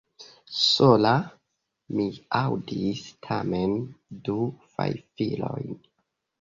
Sola!? Mi aŭdis tamen du fajfilojn.